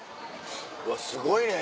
うわすごいね。